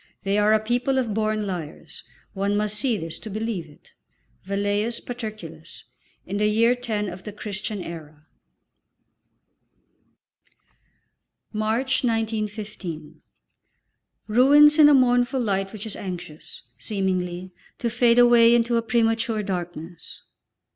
They are a people of born liars. One must see this to believe it." VELLEIUS PATERCULUS, In the year 10 of the Christian era. March, 1915. Ruins in a mournful light which is anxious, seemingly, to fade away into a premature darkness.